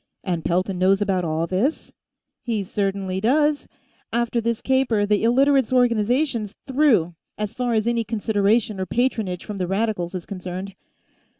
"And Pelton knows about all this?" "He certainly does! After this caper, the Illiterates' Organization's through, as far as any consideration or patronage from the Radicals is concerned."